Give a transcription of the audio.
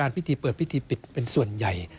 พิธีเปิดพิธีปิดเป็นส่วนใหญ่